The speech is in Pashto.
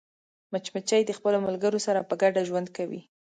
مچمچۍ د خپلو ملګرو سره په ګډه ژوند کوي